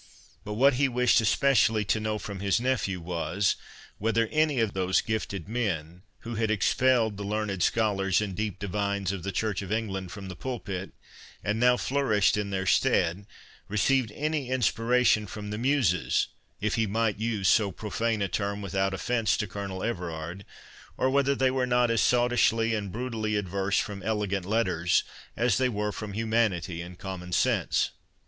But what he wished especially to know from his nephew was, whether any of those gifted men, who had expelled the learned scholars and deep divines of the Church of England from the pulpit, and now flourished in their stead, received any inspiration from the muses, (if he might use so profane a term without offence to Colonel Everard,) or whether they were not as sottishly and brutally averse from elegant letters, as they were from humanity and common sense?"